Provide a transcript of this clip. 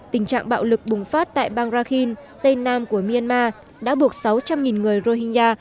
tình trạng bạo lực bùng phát tại bang rakhin tây nam của myanmar đã buộc sáu trăm linh người rohiya